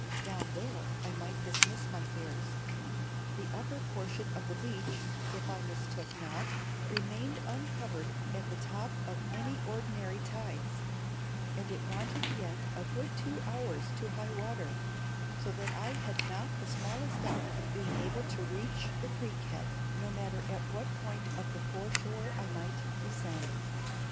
Down there I might dismiss my fears. The upper portion of the beach, if I mistook not, remained uncovered at the top of any ordinary tides, and it wanted yet a good two hours to high water, so that I had not the smallest doubt of being able to reach the creek head, no matter at what point of the foreshore I might descend.